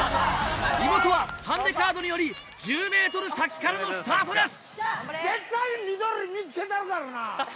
イモトはハンデカードにより１０ｍ先からのスタートです！